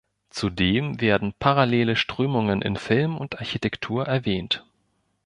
Zudem werden parallele Strömungen in Film und Architektur erwähnt.